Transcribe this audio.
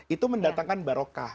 itu mendatangkan barokah